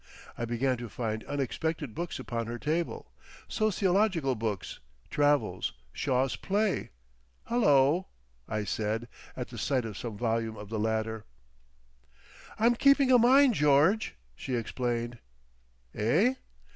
I began to find unexpected books upon her table: sociological books, travels, Shaw's plays. "Hullo!" I said, at the sight of some volume of the latter. "I'm keeping a mind, George," she explained. "Eh?"